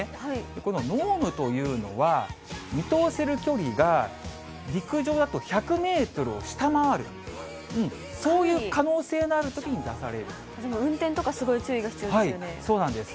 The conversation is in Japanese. この濃霧というのは、見通せる距離が、陸上だと１００メートルを下回る、そういう可能性のあるときに出さ運転とかすごい注意が必要でそうなんです。